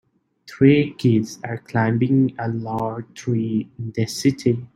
Three kids are climbing a large tree in the city.